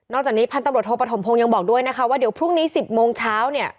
จากนี้พันตำรวจโทปฐมพงศ์ยังบอกด้วยนะคะว่าเดี๋ยวพรุ่งนี้๑๐โมงเช้าเนี่ย